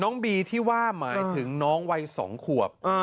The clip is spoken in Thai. น้องบีที่ว่าหมายถึงน้องวัยสองขวบ